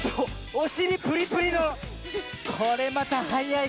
おしりプリプリのこれまたはやい。